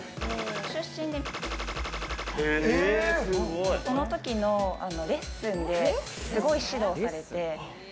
出身で、その時のレッスンで、すごい指導されて。